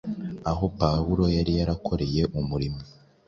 aho Pawulo yari yarakoreye umurimo.